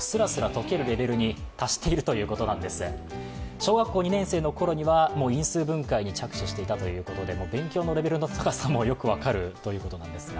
小学校２年生の頃には因数分解に着手していたということで勉強のレベルの高さもよく分かるということなんですが。